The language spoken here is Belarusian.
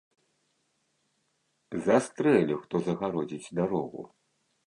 Застрэлю, хто загародзіць дарогу!